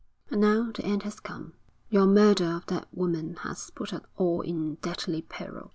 And now the end has come. Your murder of that woman has put us all in deadly peril.